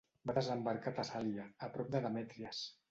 Va desembarcar a Tessàlia, a prop de Demètries.